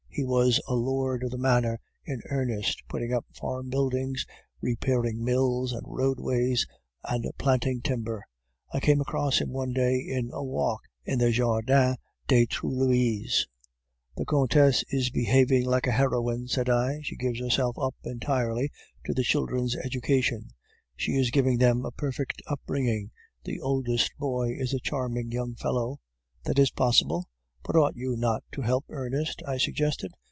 He was a lord of the manor in earnest, putting up farm buildings, repairing mills and roadways, and planting timber. I came across him one day in a walk in the Jardin des Tuileries. "'The Countess is behaving like a heroine,' said I; 'she gives herself up entirely to the children's education; she is giving them a perfect bringing up. The oldest boy is a charming young fellow ' "'That is possible.' "'But ought you not to help Ernest?' I suggested.